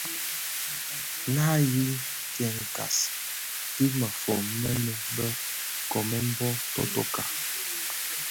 Naa yi stëňkas dhi mëfon mënin bë nkoomèn bō totoka.